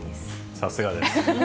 さすがです。